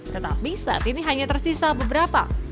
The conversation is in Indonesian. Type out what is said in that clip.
tetapi saat ini hanya tersisa beberapa